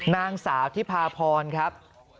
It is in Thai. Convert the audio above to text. นางสาวที่พาพรครับ